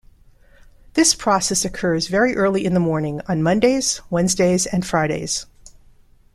This process occurs very early in the morning on Mondays, Wednesdays and Fridays.